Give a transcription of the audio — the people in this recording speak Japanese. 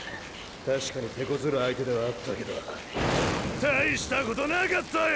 確かにてこずる相手ではあったけど大したことなかったよ！